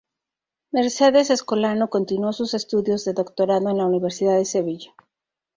Mercedes Escolano continuó sus estudios de Doctorado en la Universidad de Sevilla.